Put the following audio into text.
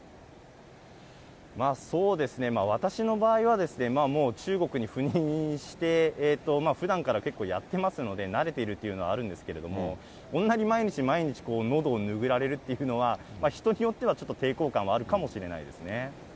そうですね、私の場合は、もう中国に赴任して、ふだんから結構やってますので、慣れているというのはあるんですけれども、こんなに毎日毎日のどをぬぐられるっていうのは、人によっては、ちょっと抵抗感はあるかもしれませんね。